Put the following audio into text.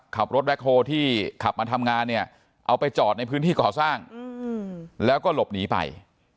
ขับรถแบ็คโฮที่ขับมาทำงานเนี่ยเอาไปจอดในพื้นที่ก่อสร้างแล้วก็หลบหนีไป